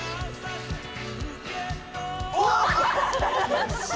お！